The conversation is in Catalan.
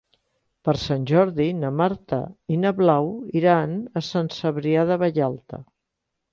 Per Sant Jordi na Marta i na Blau iran a Sant Cebrià de Vallalta.